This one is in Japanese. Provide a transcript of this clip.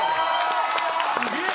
すげえ。